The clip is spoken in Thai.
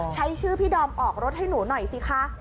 ใช้ชื่อพี่ดอมออกรถให้หนูหน่อยสิคะ